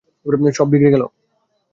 সব বিগড়ে গেল।